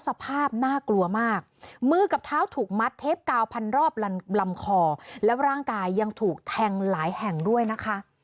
สภาพน่ากลัวมากมือกับเท้าถูกมัดเทปกาวพันรอบลำคอแล้วร่างกายยังถูกแทงหลายแห่งด้วยนะคะ